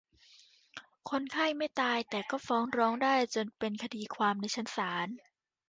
คนไข้ไม่ตาย แต่ก็ฟ้องร้องกันจนเป็นคดีความในชั้นศาล